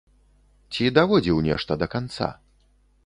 Ці даводзіў нешта да канца?